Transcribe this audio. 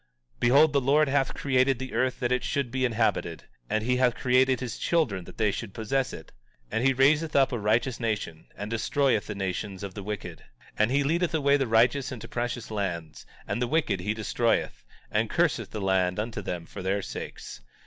17:36 Behold, the Lord hath created the earth that it should be inhabited; and he hath created his children that they should possess it. 17:37 And he raiseth up a righteous nation, and destroyeth the nations of the wicked. 17:38 And he leadeth away the righteous into precious lands, and the wicked he destroyeth, and curseth the land unto them for their sakes.